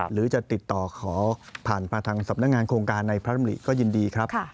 หรือจะติดต่อขอผ่านมาทางสำนักงานโครงการในพระมริก็ยินดีครับ